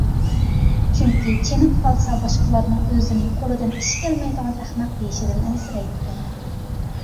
چۈنكى، چېنىپ قالسا باشقىلارنىڭ ئۆزىنى قولىدىن ئىش كەلمەيدىغان ئەخمەق دېيىشىدىن ئەنسىرەيدىكەن.